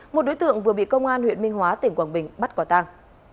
một đối tượng vừa bị công an huyện minh hóa tỉnh quảng bình bắt quả tang